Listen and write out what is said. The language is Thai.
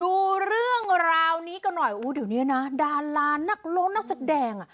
ดูเรื่องราวนี้กันหน่อยอุ้ยเดี๋ยวนี้นะดารานักร้องนักแสดงอ่ะ